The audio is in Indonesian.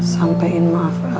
sampaiin maaf el ke om roy ya